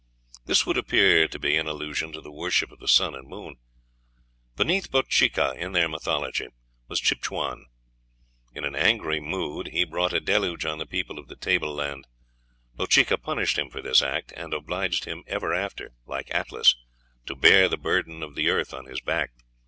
This would appear to be an allusion to the worship of the sun and moon. Beneath Bochica in their mythology was Chibchacum. In an angry mood he brought a deluge on the people of the table land. Bochica punished him for this act, and obliged him ever after, like Atlas, to bear the burden of the earth on his back.